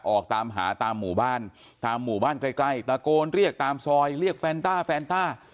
ออกตามหาตามหมู่บ้านตามหมู่บ้านใกล้ตะโกนเรียกตามซอยเรียกแฟนต้าแฟนต้า